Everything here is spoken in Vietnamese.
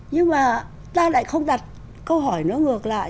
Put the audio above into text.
nhưng mà ta lại không đặt câu hỏi nó ngược lại